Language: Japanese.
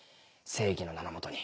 正義の名の下に。